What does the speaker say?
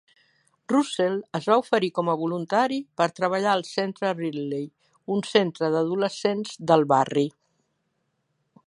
Russell es va oferir com a voluntari per treballar al centre Ridley, un centre d'adolescents del barri.